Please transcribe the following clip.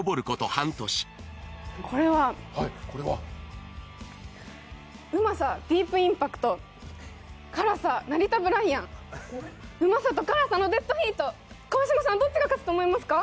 半年これははいこれはうまさディープインパクト辛さナリタブライアンうまさと辛さのデッドヒート川島さんどっちが勝つと思いますか？